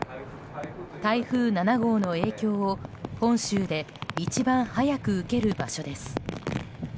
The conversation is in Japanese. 台風７号の影響を本州で一番早く受ける場所です。